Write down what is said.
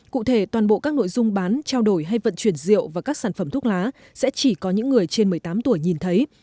cụ thể toàn bộ các nội dung bán trao đổi hay vận chuyển rượu và các sản phẩm thuốc lá sẽ chỉ có những người trên một mươi tám tuổi nhìn thấy